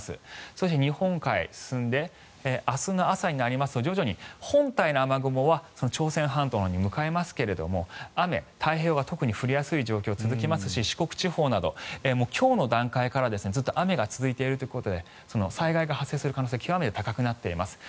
そして日本海、進んで明日の朝になりますと徐々に本体の雨雲は朝鮮半島のほうに向かいますが雨、太平洋側は特に降りやすい状況が続きますし四国地方など今日の段階からずっと雨が続いているということで災害が発生する危険性が極めて高くなっています。